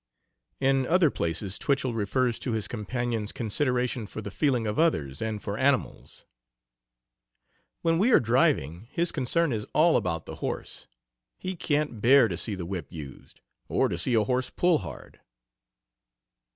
In other places Twichell refers to his companion's consideration for the feeling of others, and for animals. "When we are driving, his concern is all about the horse. He can't bear to see the whip used, or to see a horse pull hard."